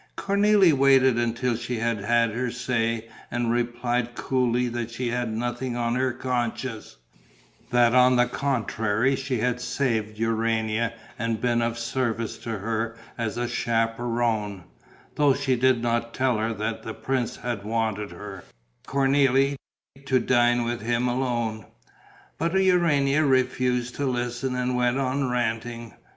Cornélie waited until she had had her say and replied coolly that she had nothing on her conscience, that on the contrary she had saved Urania and been of service to her as a chaperon, though she did not tell her that the prince had wanted her, Cornélie, to dine with him alone. But Urania refused to listen and went on ranting.